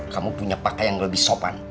kamu punya paka yang lebih sopan